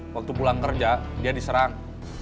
waktu pulang kerja dia diserang